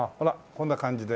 こんな感じで。